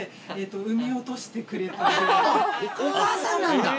お母さんなんだ！